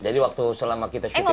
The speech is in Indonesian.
jadi waktu selama kita syuting di sana